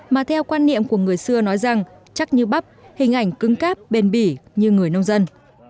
mà theo quan niệm của người xưa nói rằng chắc như bắp hình ảnh cứng cáp bền bỉ như người nông dân